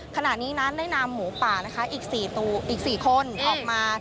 ขณะนี้นั้นได้นำหมูป่านะคะอีก๔คนออกมา